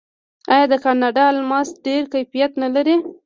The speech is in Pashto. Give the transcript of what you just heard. آیا د کاناډا الماس ډیر کیفیت نلري؟